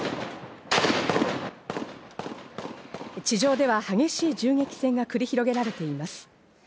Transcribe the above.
地上では激しい銃撃戦が繰り広げられています。